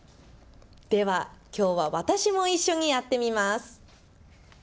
ではきょうは私も一緒にやってみます。